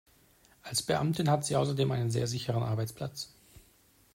Als Beamtin hat sie außerdem einen sehr sicheren Arbeitsplatz.